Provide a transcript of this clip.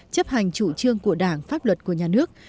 chấp hành chủ trương của đảng pháp luật của nhà nước